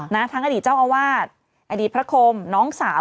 ทั้งอดีตเจ้าอาวาสอดีตพระคมน้องสาว